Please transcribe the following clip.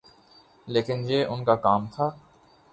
لیکن یہ ان کا کام تھا۔